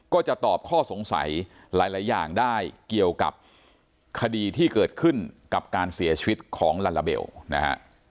ก็จะตอบข้อสงสัยหลายอย่างได้เกี่ยวกับคดีที่เกิดขึ้นกับการเสียชีวิตของลาลาเบลนะฮะ